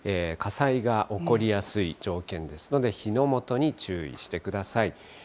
火災が起こりやすい条件ですので、火のもとに注意してください。